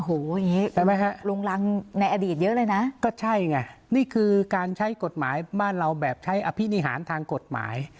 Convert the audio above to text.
โอ้โหลงรังในอดีตเยอะเลยนะก็ใช่ไงนี่คือการใช้กฎหมายบ้านเราแบบใช้อภินิหารทางกฎหมาย